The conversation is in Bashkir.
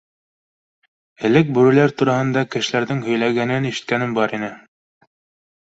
Элек бүреләр тураһында кешеләрҙең һөйләгәнен ишеткәнем бар ине.